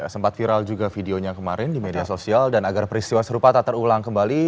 sempat viral juga videonya kemarin di media sosial dan agar peristiwa serupa tak terulang kembali